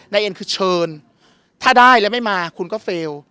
เอ็นคือเชิญถ้าได้แล้วไม่มาคุณก็เฟลล์